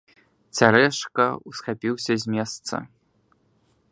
Цярэшка ўсхапіўся з месца.